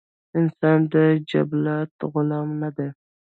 انسان د جبلت غلام نۀ دے